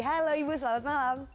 halo ibu selamat malam